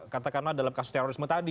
katakanlah dalam kasus terorisme tadi